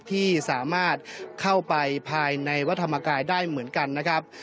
ที่สามารถเข้าไปภายในวัดธรรมกายได้เหมือนกันนะครับ